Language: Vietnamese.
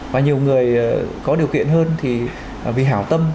và nhiều người có điều kiện hơn thì vì hảo tâm